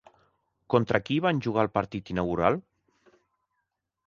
Contra qui van jugar el partit inaugural?